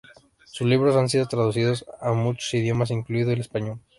Sus libros han sido traducidos a muchos idiomas, incluido el español.